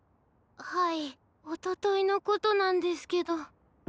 はいおとといのことなんですけど。